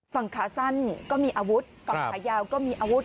ฝั่งขาสั้นก็มีอาวุธฝั่งขายาวก็มีอาวุธ